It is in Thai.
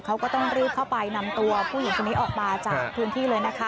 เขาก็ต้องรีบเข้าไปนำตัวผู้หญิงคนนี้ออกมาจากพื้นที่เลยนะคะ